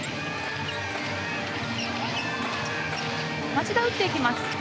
町田打っていきます。